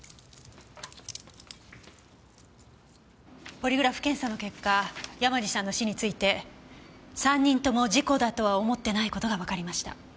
ポリグラフ検査の結果山路さんの死について３人とも事故だとは思ってない事がわかりました。